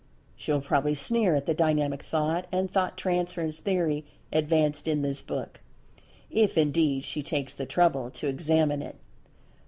She will probably sneer at the Dynamic Thought, and Thought Transference theory advanced in this book—if indeed she takes the trouble to examine it.